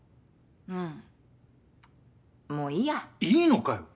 うんもういいや。いいのかよ！？